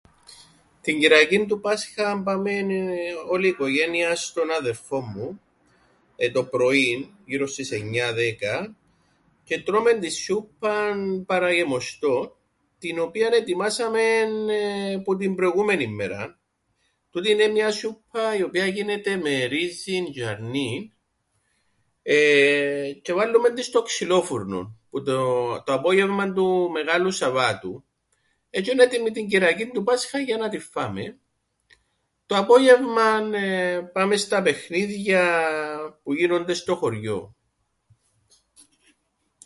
Την Κυριακήν του Πάσχαν πάμεν όλη η οικογένεια στον αδερφόν μου, το πρωίν γύρω στις εννιά, δέκα, και τρώμεν την σούππαν παραγεμοστόν, την οποία ετοιμάσαμεν που την προηγούμενην μέραν. Τούτη είναι μια σούπα η οποία γίνεται με ρύζι τζ̆αι αρνίν τζ̆αι βάλλουμεν την στον ξυλόφουρνον που το απόγευμαν του Μεγάλου Σαββάτου, τζ̆αι εν' έτοιμη την Κυριακήν του Πάσχα για να την φάμεν. Το απόγευμαν πάμεν στα παιχνίδια που γίνονται στο χωριόν.